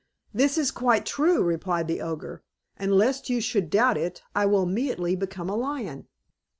"That is quite true," replied the Ogre; "and lest you should doubt it, I will immediately become a lion."